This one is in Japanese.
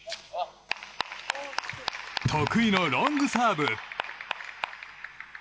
得意のロングサーブ！